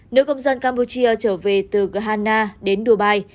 nữ công dân campuchia trở về từ ghana đến dubai